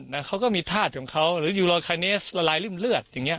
แบบนี้เขาก็มีธาตุอยู่รอยชายเนสละลายรึ่มเลือด